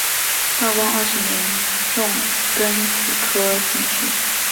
道光二十年中庚子科进士。